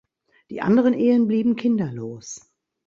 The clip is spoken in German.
Die anderen Ehen blieben kinderlos.